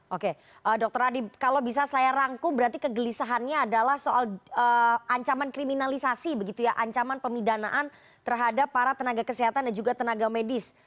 oke dr adib kalau bisa saya rangkum berarti kegelisahannya adalah soal ancaman kriminalisasi begitu ya ancaman pemidanaan terhadap para tenaga kesehatan dan juga tenaga medis